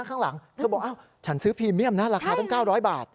ก็บอกฉันซื้อพรีเมี่ยมนะราคาต้อง๙๐๐บาท